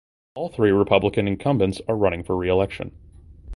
All three Republican incumbents are running for reelection.